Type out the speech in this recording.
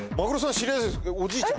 知り合いおじいちゃん。